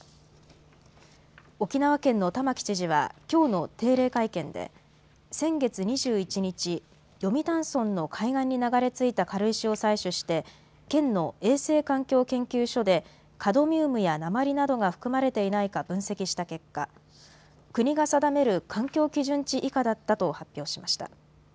沖縄県の玉城知事はきょうの定例会見で先月２１日、読谷村の海岸に流れ着いた軽石を採取して県の衛生環境研究所でカドミウムや鉛などが含まれていないか分析した結果、国が定める環境基準値以下だったと発表しました。